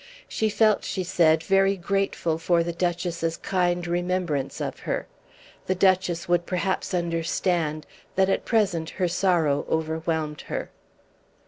She felt, she said, very grateful for the Duchess's kind remembrance of her. The Duchess would perhaps understand that at present her sorrow overwhelmed her.